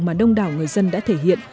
mà đông đảo người dân đã thể hiện